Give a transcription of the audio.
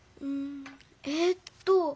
ええっと。